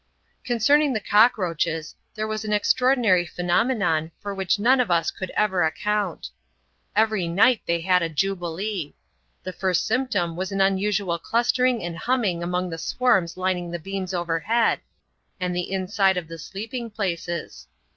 Concerning the cockroaches, there #as an extraordinary phenomenon, for which none of us could ever account. Every night they had a jubilee. The first symptom was an unusual clustering and humming among the swarms lining the beams overhead, and the inside of the sleeping places.